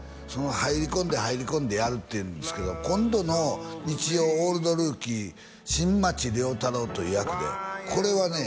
入り込んで入り込んでやるっていうんですけど今度の日曜「オールドルーキー」新町亮太郎という役でこれはね